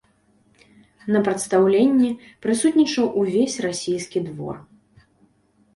На прадстаўленні прысутнічаў увесь расійскі двор.